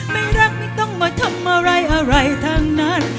ไม่รักไม่ต้องมาทำอะไรอะไรทั้งนั้น